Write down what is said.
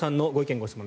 ・ご質問